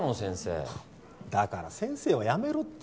ははっだから先生はやめろって。